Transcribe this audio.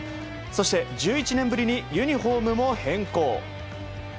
そして、１１年ぶりにユニホームも変更。